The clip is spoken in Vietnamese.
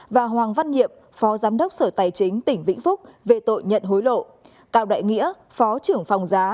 và hoàng văn nhiệm phó giám đốc sở tài chính tỉnh vĩnh phúc về tội nhận hối lộ tạo đại nghĩa phó trưởng phòng giá